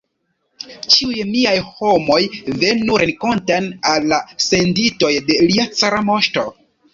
Ĉiuj miaj homoj venu renkonten al la senditoj de lia cara moŝto!